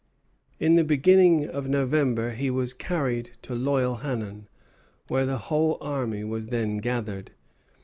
In the beginning of November he was carried to Loyalhannon, where the whole army was then gathered.